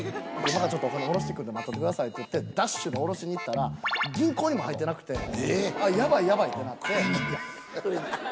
今からちょっとお金下ろして来るんで待っといてくださいって言ってダッシュで下ろしに行ったら銀行にも入ってなくてヤバいヤバいってなって。